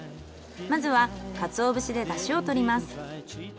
まずはかつお節でだしをとります。